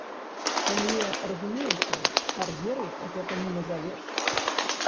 Але, разумееце, кар'ерай гэта не назавеш.